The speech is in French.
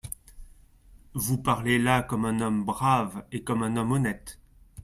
Vous parlez là comme un homme brave et comme un homme honnête.